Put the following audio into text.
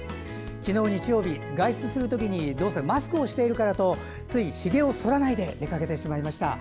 昨日、日曜日外出するときにマスクをしているからとつい、ひげをそらないで出かけてしまいました。